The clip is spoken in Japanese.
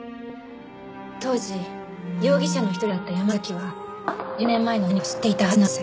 当時容疑者の一人だった山崎は２０年前の何かを知っていたはずなんです。